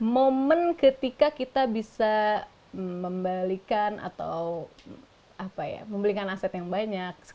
momen ketika kita bisa membalikan atau membelikan aset yang banyak